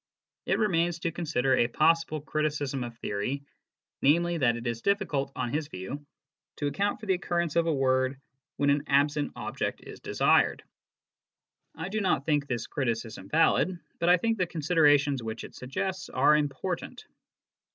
It remains to consider a possible criticism of theory, namely, that HOW PROPOSITIONS MEAN. 15 it is difficult, on his view, to account for the occurrence of a word when an absent object is desired. I do not think this criticism valid, but I think the considerations which it suggests are important.